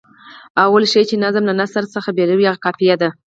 لومړنی شی چې نظم له نثر څخه بېلوي هغه قافیه ده.